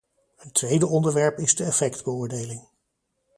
Een tweede onderwerp is de effectbeoordeling.